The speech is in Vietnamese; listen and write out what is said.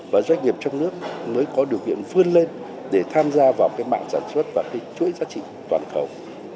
và doanh nghiệp trong nước mới có điều kiện vươn lên để tham gia vào cái mảng sản xuất và cái chuỗi giá trị toàn cầu